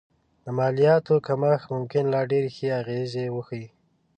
د مالیاتو کمښت ممکن لا ډېرې ښې اغېزې وښيي